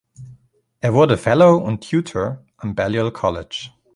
Er wurde Fellow und Tutor am Balliol College.